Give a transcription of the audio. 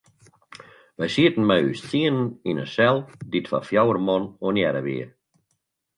Wy sieten mei ús tsienen yn in sel dy't foar fjouwer man ornearre wie.